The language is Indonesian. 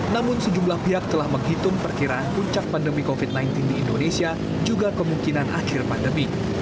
namun sejumlah pihak telah menghitung perkiraan puncak pandemi covid sembilan belas di indonesia juga kemungkinan akhir pandemi